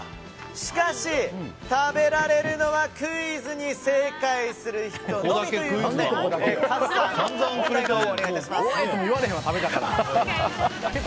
しかし、食べられるのはクイズに正解する人のみということでカズさん、問題をお願いします。